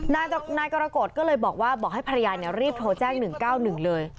นายกรกฎก็เลยบอกว่าบอกให้ภรรยารีบโทรแจ้ง๑๙๑เลย